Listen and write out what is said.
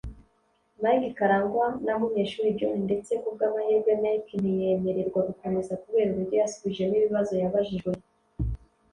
Mike Karangwa na Munyeshuri John ndetse ku bw’amahirwe make ntiyemererwa gukomeza kubera uburyo yasubijemo ibibazo yabajijwe